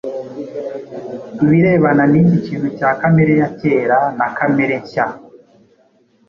ibirebana n’iki kintu cya kamere ya kera na kamere nshya.